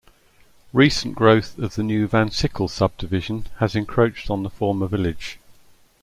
Recent growth of the new Vansickle subdivision has encroached on the former village.